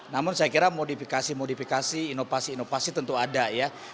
namun saya kira modifikasi modifikasi inovasi inovasi tentu ada ya